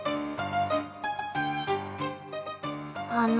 あの。